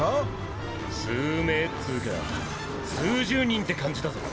数名つうか数十人って感じだぞ。